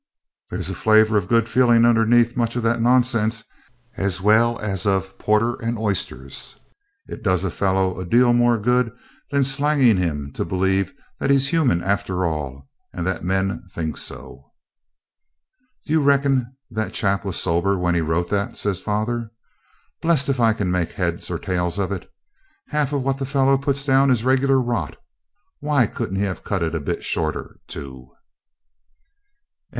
There's a flavour of good feeling underneath much of that nonsense, as well as of porter and oysters. It does a fellow a deal more good than slanging him to believe that he's human after all, and that men think so.' 'Do you reckon that chap was sober when he wrote that?' says father. 'Blest if I can make head or tail of it. Half what them fellows puts down is regular rot. Why couldn't he have cut it a bit shorter, too?'